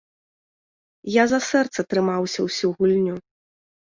Я за сэрца трымаўся ўсю гульню!